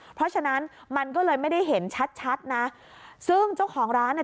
เพราะฉะนั้นมันก็เลยไม่ได้เห็นชัดชัดนะซึ่งเจ้าของร้านอ่ะ